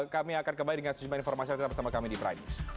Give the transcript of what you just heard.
kami akan kembali dengan sejumlah informasi yang tetap bersama kami di prime news